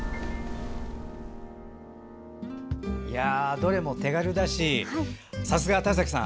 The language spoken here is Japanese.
どれも手軽だしさすが田崎さん